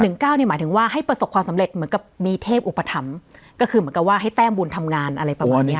หมายถึงว่าให้ประสบความสำเร็จเหมือนกับมีเทพอุปถัมภ์ก็คือเหมือนกับว่าให้แต้มบุญทำงานอะไรประมาณเนี้ย